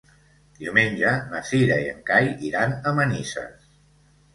Diumenge na Cira i en Cai iran a Manises.